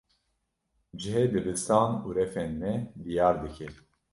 Cihê dibistan û refên me diyar dike.